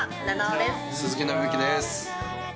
鈴木伸之です。